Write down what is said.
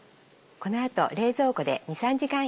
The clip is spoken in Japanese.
この後。